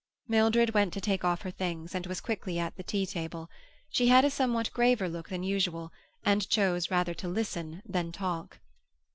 Mildred went to take off her things, and was quickly at the tea table. She had a somewhat graver look than usual, and chose rather to listen than talk.